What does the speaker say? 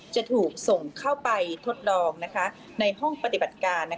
จะถูกส่งเข้าไปทดลองในห้องปฏิบัติการ